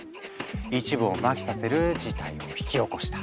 一部をマヒさせる事態を引き起こした。